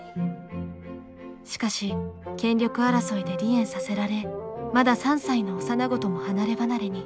しかし権力争いで離縁させられまだ３歳の幼子とも離れ離れに。